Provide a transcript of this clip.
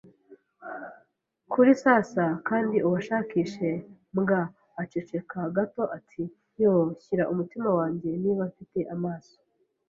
kuri. Sasa kandi ubashakishe, mbwa! Aceceka gato ati: “Yoo, shyira umutima wanjye, niba mfite amaso!”